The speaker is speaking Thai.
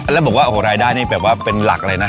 แล้วบอกว่าโอ้โหรายได้นี่แบบว่าเป็นหลักเลยนะ